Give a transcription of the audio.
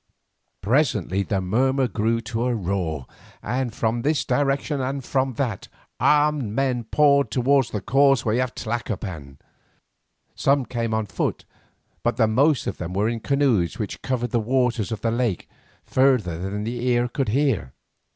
Presently the murmur grew to a roar, and from this direction and from that, armed men poured towards the causeway of Tlacopan. Some came on foot, but the most of them were in canoes which covered the waters of the lake further than the ear could hear.